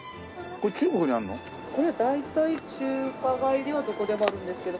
これは大体中華街ではどこでもあるんですけど。